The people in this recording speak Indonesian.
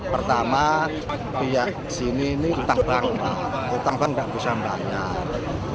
pihak sini ini hutang bank hutang bank gak bisa membayar